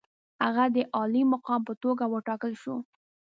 هغه د عالي مقام په توګه وټاکل شو.